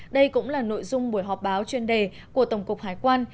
đây cũng là nội dung buổi họp báo chuyên đề của tổng cục hải quan